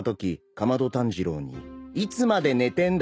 竈門炭治郎に「いつまで寝てんだ！